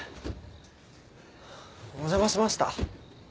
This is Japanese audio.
お邪魔しました。